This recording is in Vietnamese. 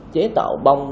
chế tạo bông